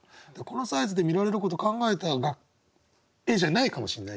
このサイズで見られることを考えた絵じゃないかもしれないけどね。